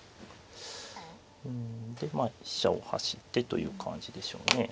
うんでまあ飛車を走ってという感じでしょうね。